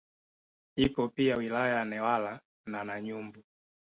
Ipo pia wilaya ya Newala na Nanyumbu